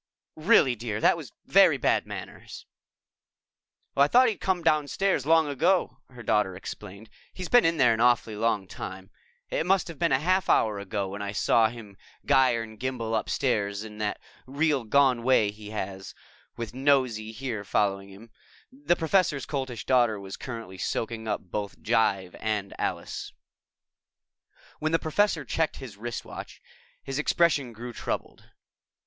"Really, dear, that was very bad manners." "I thought he'd come downstairs long ago," her daughter explained. "He's been in there an awfully long time. It must have been a half hour ago that I saw him gyre and gimbal upstairs in that real gone way he has, with Nosy here following him." The Professor's Coltish Daughter was currently soaking up both jive and Alice. When the Professor checked his wristwatch, his expression grew troubled.